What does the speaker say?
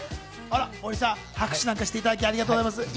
森さん、拍手なんかしていただき、ありがとうございます。